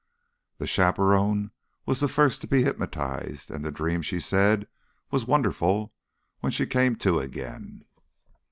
The chaperone was the first to be hypnotised, and the dream, she said, was wonderful, when she came to again.